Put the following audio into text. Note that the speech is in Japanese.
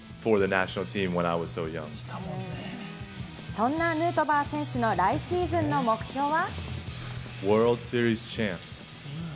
そんなヌートバー選手の来シーズンの目標は。